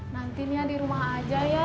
nanti nia dirumah aja ya